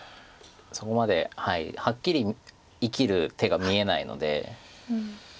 そこまではっきり生きる手が見えないので。